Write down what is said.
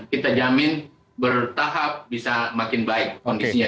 kita jamin bertahap bisa makin baik kondisinya